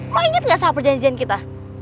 kok inget gak sama perjanjian kita